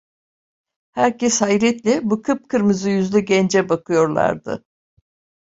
Herkes hayretle bu kıpkırmızı yüzlü gence bakıyorlardı.